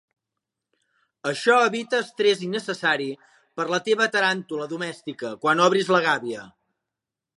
Això evita estrès innecessari per la teva taràntula domèstica quan obris la gàbia.